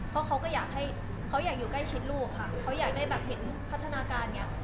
เพราะเขาก็อยากอยู่ใกล้ชิดลูกค่ะเขาอยากได้แบบเห็นพัฒนาการเนี่ย